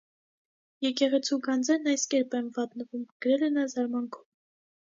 «Եկեղեցու գանձերն այս կերպ են վատնվում», գրել է նա զարմանքով։